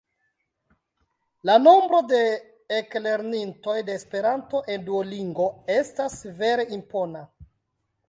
La nombro de eklernintoj de Esperanto en Duolingo estas vere impona!